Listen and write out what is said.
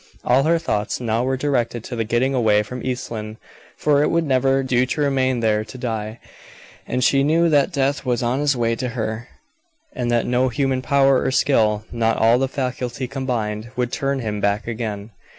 All her thoughts now were directed to the getting away from East Lynne, for it would never do to remain there to die; and she knew that death was on his way to her, and that no human power or skill not all the faculty combined could turn him back again.